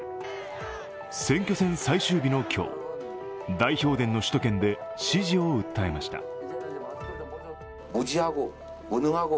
選挙戦最終日の今日、大票田の首都圏で支持を訴えました。